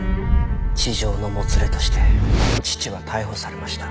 痴情のもつれとして父は逮捕されました。